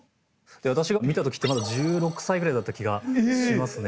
私が見た時ってまだ１６歳ぐらいだった気がしますね。